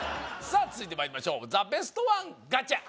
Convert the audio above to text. さあ続いてまいりましょうザ・ベストワンガチャ！